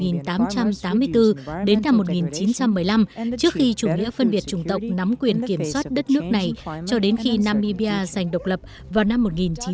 namibia là thuộc địa của đức từ năm một nghìn tám trăm tám mươi bốn đến năm một nghìn chín trăm một mươi năm trước khi chủ nghĩa phân biệt chủng tộc nắm quyền kiểm soát đất nước này cho đến khi namibia giành độc lập vào năm một nghìn chín trăm chín mươi